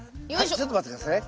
ちょっと待って下さい。